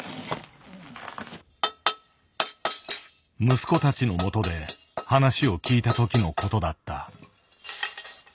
息子たちのもとで話を聞いたときのことだった。